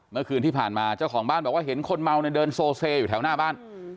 เมื่อคืนที่ผ่านมาเจ้าของบ้านบอกว่าเห็นคนเมาเนี่ยเดินโซเซอยู่แถวหน้าบ้าน